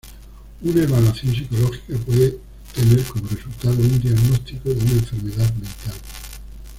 Una evaluación psicológica puede tener como resultado un diagnóstico de una enfermedad mental.